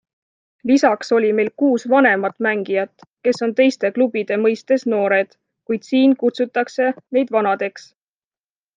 Lisaks oli meil kuus vanemat mängijat, kes on teiste klubide mõistes noored, kuid siin kutsutakse neid vanadeks.